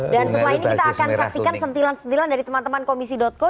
dan setelah ini kita akan saksikan sentilan sentilan dari teman teman komisi co